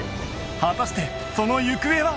果たしてその行方は？